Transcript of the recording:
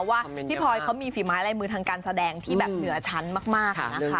เดี๋ยวมีฝีม้าใล่มือทางการแสดงที่แบบเหนือชั้นมาก